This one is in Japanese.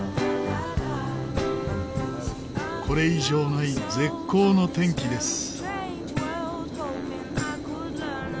これ以上ない絶好の天気です。